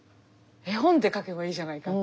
絵本で書けばいいじゃないかっていう。